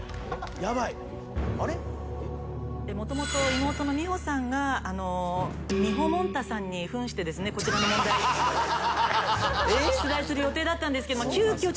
もともと妹の美穂さんがみほもんたさんに扮してですねこちらの問題出題する予定だったんですけど急きょ